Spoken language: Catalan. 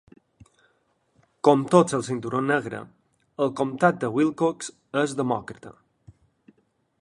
Com tots al Cinturó Negre, el comtat de Wilcox és demòcrata.